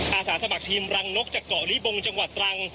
อาสาสมัครทีมรังนกจากเกาะลิบงจังหวัดตรัง